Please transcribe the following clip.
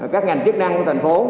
các ngành chức năng của thành phố